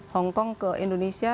hongkong ke indonesia